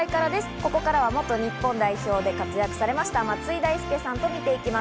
ここからは元日本代表で活躍された松井大輔さんと見ていきます。